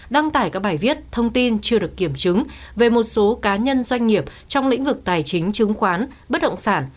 đăng tải các bài viết thông tin chưa được kiểm chứng về một số cá nhân doanh nghiệp trong lĩnh vực tài chính chứng khoán bất động sản